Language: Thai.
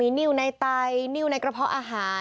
นิ้วในไตนิ้วในกระเพาะอาหาร